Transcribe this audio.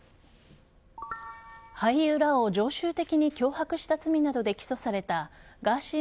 俳優らを常習的に脅迫した罪などで起訴されたガーシー